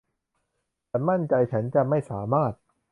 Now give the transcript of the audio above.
ฉันมั่นใจฉันจะไม่สามารถ